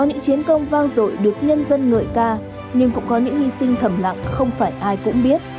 những chiến công vang dội được nhân dân ngợi ca nhưng cũng có những hy sinh thầm lặng không phải ai cũng biết